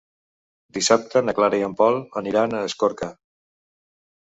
Dissabte na Clara i en Pol aniran a Escorca.